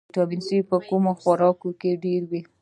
ویټامین سي په کومو خوړو کې ډیر وي